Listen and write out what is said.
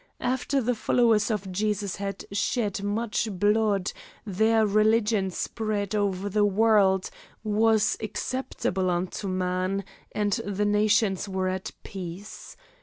After the followers of Jesus had shed much blood, their religion spread over the world, was acceptable unto man, and the nations were at peace.